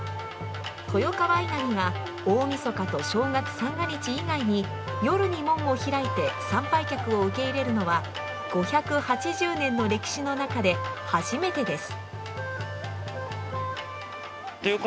豊川稲荷が大みそかと正月三が日以外に夜に門を開いて参拝客を受け入れるのは５８０年の歴史の中で初めてです。